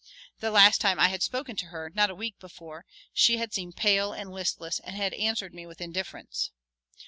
The last time I had spoken to her, not a week before, she had seemed pale and listless and had answered me with indifference.